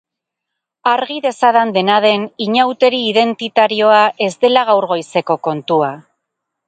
Argi dezadan dena den, inauteri identitarioa ez dela gaur goizeko kontua.